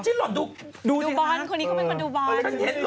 จิลลอทดูเทศนะเออจิลลอทดูเทศนะดูบอลคนนี้เขาเป็นคนดูบอล